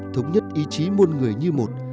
thống nhất ý chí môn người như một